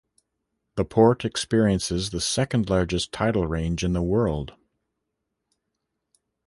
The port experiences the second largest tidal range in the world.